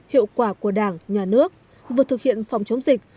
hiệu quả của đảng nhà nước vừa thực hiện phòng chống dịch